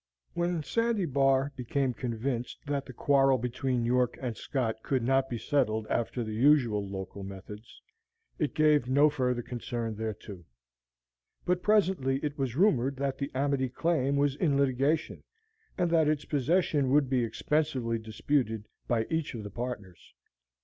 When Sandy Bar became convinced that the quarrel between York and Scott could not be settled after the usual local methods, it gave no further concern thereto. But presently it was rumored that the "Amity Claim" was in litigation, and that its possession would be expensively disputed by each of the partners.